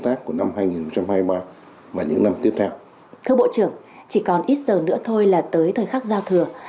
thưa bộ trưởng chỉ còn ít giờ nữa thôi là tới thời khắc giao thừa